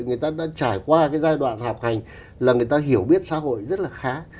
người ta đã trải qua cái giai đoạn học hành là người ta hiểu biết xã hội rất là khá